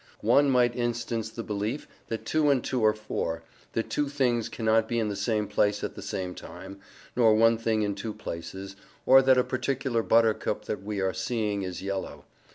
One might instance the belief that two and two are four, that two things cannot be in the same place at the same time, nor one thing in two places, or that a particular buttercup that we are seeing is yellow.